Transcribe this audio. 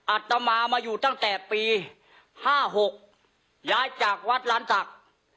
อัตมามาอยู่ตั้งแต่ปี๕๖ย้ายจากวัดล้านศักดิ์